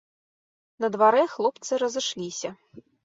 На дварэ хлопцы разышліся.